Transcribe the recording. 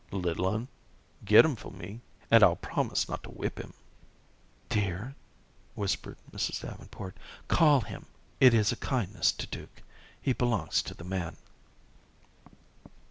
"Little un, get him for me and I'll promise not to whip him." "Dear," whispered Mrs. Davenport, "call him; it is a kindness to Duke. He belongs to the man."